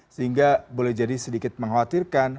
sehingga boleh jadi sedikit mengkhawatirkan